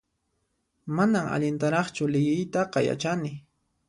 Manan allintaraqchu liyiytaqa yachani